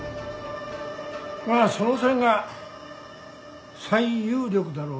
まあその線が最有力だろうね。